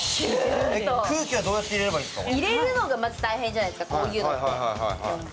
空気はどうやって入れればいいんですか？